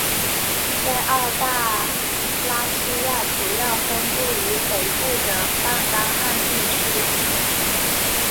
在澳大拉西亚主要分布于北部的半干旱地带。